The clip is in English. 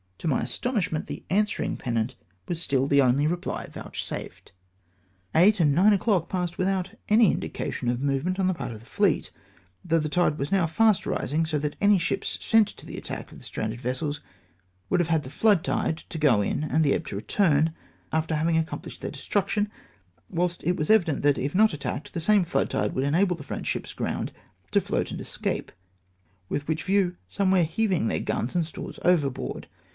To my astonishment the an swering pennant was stiU the only reply vouchsafed ! THE AIX ROADS. 383 Eight and iiine o'clock passed without any indica tion of movement on the part of the fleet, though the tide was now fast rising, so that any ships sent to the attack of the stranded vessels would have had the flood tide to go in and the ebb to return, after having accomphshed then* destruction ; whilst it was evident that if not attacked, the same flood tide would enable the French ships aground to float and escape, with which view some were heaving then" guns and stores over board.